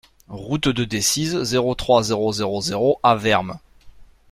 Route de Decize, zéro trois, zéro zéro zéro Avermes